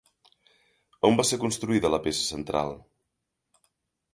On va ser construïda la peça central?